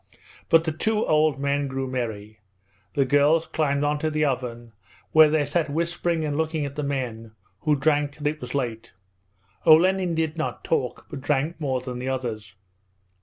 But the two old men grew merry. The girls climbed onto the oven, where they sat whispering and looking at the men, who drank till it was late. Olenin did not talk, but drank more than the others.